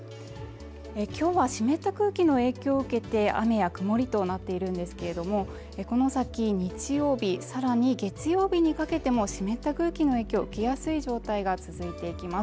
今日は湿った空気の影響を受けて雨や曇りとなっているんですけれどもこの先日曜日、さらに月曜日にかけても湿った空気の影響を受けやすい状態が続いていきます